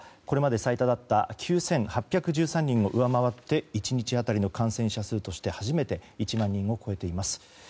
これまで最多だった９８１３人を上回って１日当たりの感染者数として初めて１万人を超えています。